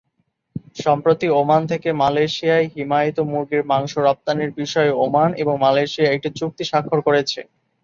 সম্প্রতি, ওমান থেকে মালয়েশিয়ায় হিমায়িত মুরগির মাংস রপ্তানির বিষয়ে ওমান এবং মালয়েশিয়া একটি চুক্তি সাক্ষর করেছে।